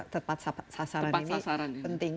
tepat sasaran ini penting